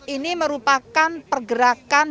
ini merupakan pergerakan